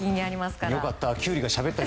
よかった。